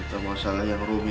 itu masalah yang rumit